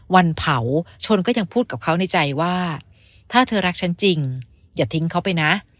วันเผาชนก็ยังพูดกับเขาในใจว่าถ้าเธอรักฉันจริงอย่าทิ้งเขาไปนะ